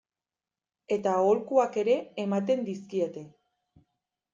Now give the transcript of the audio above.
Eta aholkuak ere ematen dizkiete.